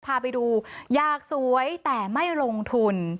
พาไปดูอยากสวยแต่ไม่ลงทุน